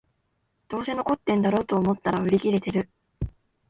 どうせ残ってんだろと思ったら売り切れてる